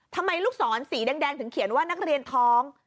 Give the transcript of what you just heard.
ทำไมลูกศรสีแดงถึงเขียนว่านักเรียนท้อง